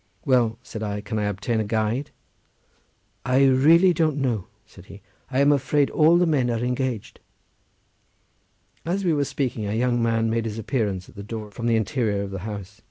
"Well," said I, "can I obtain a guide?" "I really don't know," said he; "I am afraid all the men are engaged." As we were speaking a young man made his appearance at the door from the interior of the house.